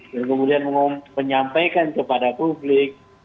kemudian menyampaikan kepada publik